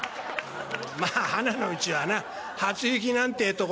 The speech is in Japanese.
まあはなのうちはな『初雪』なんてえところが無難だ。